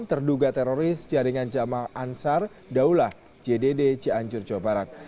terduga teroris jaringan jama ansar daulah jdd cianjur jawa barat